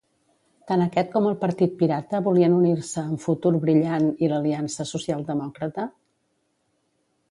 Tant aquest com el Partit Pirata volien unir-se amb Futur Brillant i l'Aliança Socialdemòcrata?